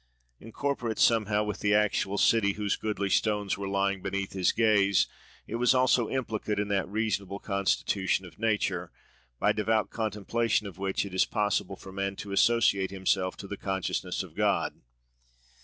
Incorporate somehow with the actual city whose goodly stones were lying beneath his gaze, it was also implicate in that reasonable constitution of nature, by devout contemplation of which it is possible for man to associate himself to the consciousness of God.